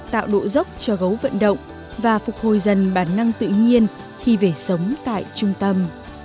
tạo độ dốc cho gấu vận động và phục hồi dần bản năng tự nhiên khi về sống tại trung tâm